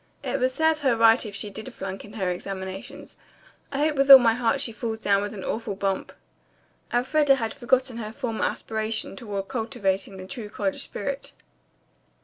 "It would serve her right if she did flunk in her examinations. I hope with all my heart she falls down with an awful bump." Elfreda had forgotten her former aspirations toward cultivating the true college spirit.